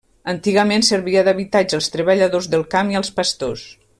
Antigament servia d'habitatge als treballadors del camp i als pastors.